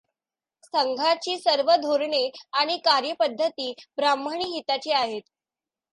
संघाची सर्व धोरणे आणि कार्यपद्धती ब्राह्मणी हिताची आहेत.